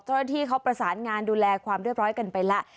โจระที่เขาประสานงานดูแลความเรื่อยพล้อยกันไปละ